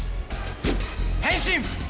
変身！